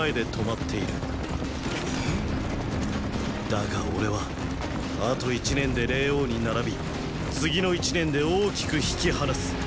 ⁉だが俺はあと一年で霊凰に並び次の一年で大きく引き離す。